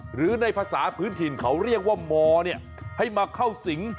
หรือในภาษาพื้นถิ่นเขาเรียกว่ามให้มาเข้าสิง